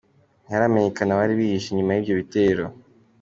Ntiharamenyekana abari bihishe inyuma y’ibyo bitero.